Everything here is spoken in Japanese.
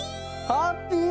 ハッピー！